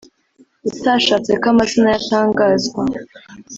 utashatse ko amazina ye atangazwa